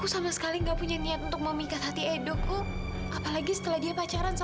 sampai jumpa di video selanjutnya